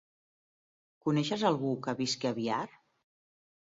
Coneixes algú que visqui a Biar?